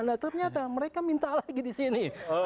nah ternyata mereka minta lagi di sini